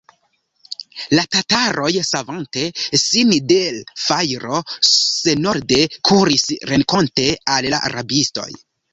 La tataroj, savante sin de l' fajro, senorde kuris renkonte al la rabistoj.